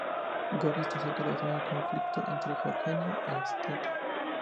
Gori está cerca de la zona de conflicto entre Georgia y Osetia.